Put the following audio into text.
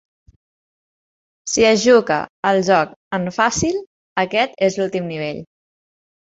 Si es juga al joc en Fàcil, aquest és l'últim nivell.